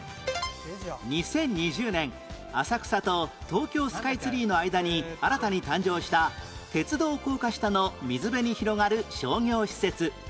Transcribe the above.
２０２０年浅草と東京スカイツリーの間に新たに誕生した鉄道高架下の水辺に広がる商業施設